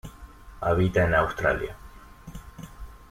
Habita en Australia,